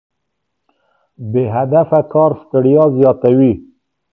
بې هدفه کار ستړیا زیاتوي.